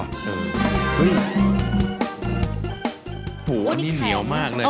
อันนี้เหนียวมากเลย